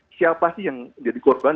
siapa sih yang jadi korban